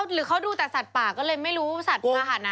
หรือเขาดูแต่สัตว์ป่าก็เลยไม่รู้สัตว์ภาษณะ